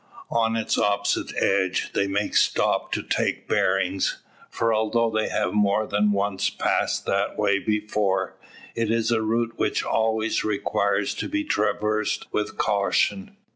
On its opposite edge they make stop to take bearings. For although they have more than once passed that way before, it is a route which always requires to be traversed with caution.